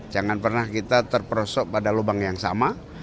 jangan pernah kita terperosok pada lubang yang sama